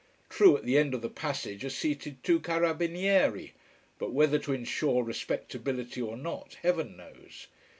True, at the end of the passage are seated two carabinieri. But whether to ensure respectibility or not, Heaven knows.